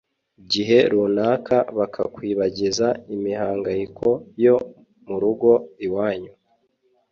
gihe runaka bakakwibagiza imihangayiko yo mu rugo iwanyu